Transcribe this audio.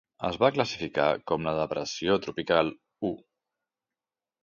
Es va classificar com la depressió tropical u.